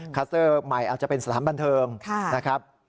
คัสเตอร์ใหม่อาจจะเป็นสถานบันเทิงนะครับ